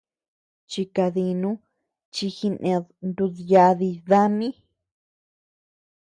Chikadinu chi jined nuduyadi dami.